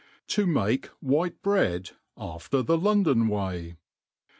To mate Whiu Bready after thi London Way.